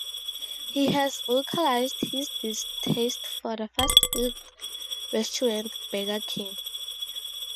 He has vocalized his distaste for the fast food restaurant Burger King.